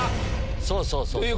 そうそうそうそう！